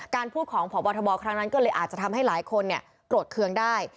พูดของพบทบครั้งนั้นก็เลยอาจจะทำให้หลายคนโกรธเคืองได้